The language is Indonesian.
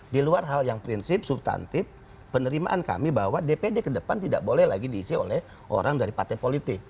di luar hal yang prinsip subtantif penerimaan kami bahwa dpd ke depan tidak boleh lagi diisi oleh orang dari partai politik